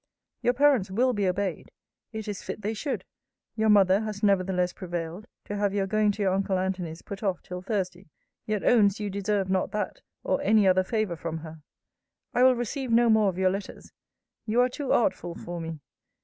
Your parents will be obeyed. It is fit they should. Your mother has nevertheless prevailed to have your going to your uncle Antony's put off till Thursday: yet owns you deserve not that, or any other favour from her. I will receive no more of your letters. You are too artful for me.